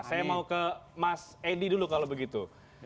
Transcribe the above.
saya mau ke mas edi dulu kalau begitu